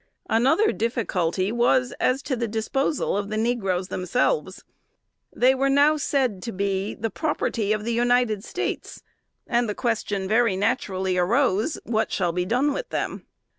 Another difficulty was, as to the disposal of the negroes themselves. They were now said to be the "property of the United States;" and the question very naturally arose, what shall be done with them?